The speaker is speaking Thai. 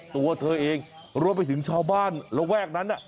ตัวเธอเองรวดไปถึงชาวบ้านแล้วแวกนั้นน่ะ